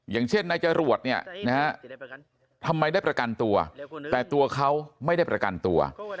อย่างเช่นนายจรวดเนี่ยนะฮะทำไมได้ประกันตัวแต่ตัวเขาไม่ได้ประกันตัว